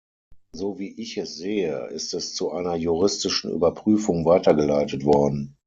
So, wie ich es sehe, ist es zu einer juristischen Überprüfung weitergeleitet worden.